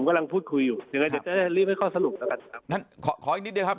ผมกำลังพูดคุยอยู่จะเรียกให้ข้อสนุกกันกันครับ